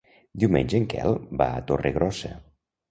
Diumenge en Quel va a Torregrossa.